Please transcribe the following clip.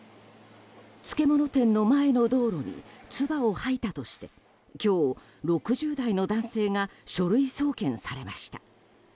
漬物店の前の道路につばを吐いたとして今日、６０代の男性が書類送検されました。